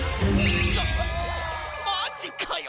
マジかよ。